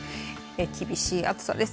厳しい暑さです。